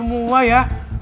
melow semua ya